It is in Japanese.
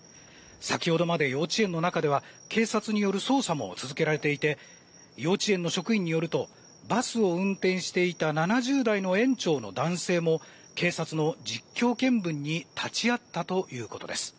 先ほどまで幼稚園の中では警察による捜査も続けられていて幼稚園の職員によるとバスを運転していた７０代の園長の男性も警察の実況見分に立ち会ったということです。